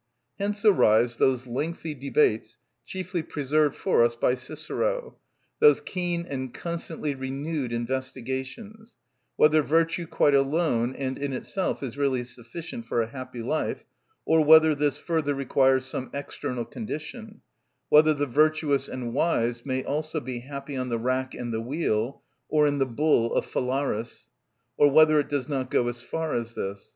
Hence arise those lengthy debates chiefly preserved for us by Cicero, those keen and constantly renewed investigations, whether virtue quite alone and in itself is really sufficient for a happy life, or whether this further requires some external condition; whether the virtuous and wise may also be happy on the rack and the wheel, or in the bull of Phalaris; or whether it does not go as far as this.